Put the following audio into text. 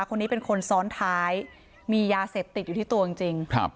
คนนี้เป็นคนซ้อนท้ายมียาเสพติดอยู่ที่ตัวจริงจริงครับ